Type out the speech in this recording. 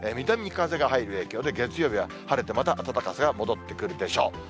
南風が入る影響で月曜日は晴れて、また暖かさが戻ってくるでしょう。